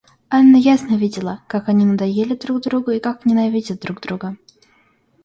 Анна ясно видела, как они надоели друг другу и как ненавидят друг друга.